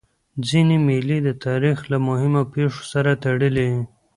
ځيني مېلې د تاریخ له مهمو پېښو سره تړلي يي.